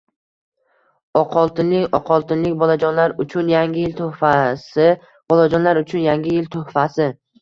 Oqoltinlik Oqoltinlik bolajonlar uchun yangi yil tuhfasibolajonlar uchun yangi yil tuhfasi